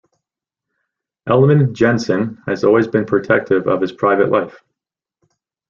Ellemann-Jensen has always been protective of his private life.